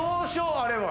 あれは。